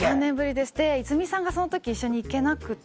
で泉さんがその時一緒に行けなくて。